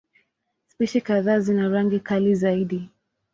Spishi kadhaa zina rangi kali zaidi.